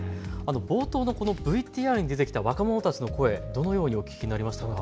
冒頭のこのＶＴＲに出てきた若者たちの声、どのようにお聞きになりましたか。